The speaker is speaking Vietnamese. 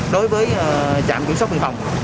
đối với trạm kiểm soát biên phòng